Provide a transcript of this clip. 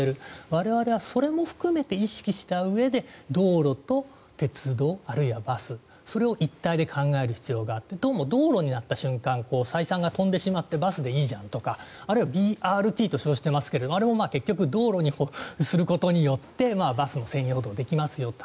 我々はそれも含めて意識したうえで道路と鉄道、あるいはバスそれを一体で考える必要があってどうも道路になった瞬間採算が飛んでしまってバスでいいじゃんとかあるいはＢＲＴと称してますがあれも結局道路にすることによってバスの専用道ができますよと。